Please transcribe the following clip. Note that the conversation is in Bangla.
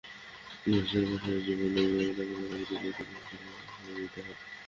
গৃহস্থালিকাজের পাশাপাশি জীবন-জীবিকার তাগিদে নারীকেও প্রতিদিন ঘরের বাইরে কর্মক্ষেত্রে যেতে হয়।